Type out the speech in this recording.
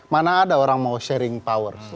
mana ada orang mau sharing powers